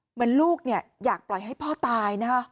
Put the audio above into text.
เหมือนลูกอยากปล่อยให้พ่อตายนะคะ